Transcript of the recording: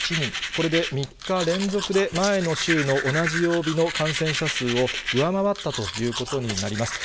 これで３日連続で前の週の同じ曜日の感染者数を上回ったということになります。